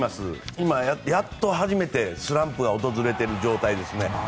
今、やっと初めてスランプが訪れている状態ですね。